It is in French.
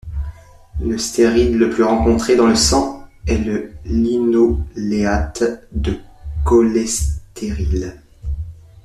Le stéride le plus rencontré dans le sang est le linoléate de cholestéryle.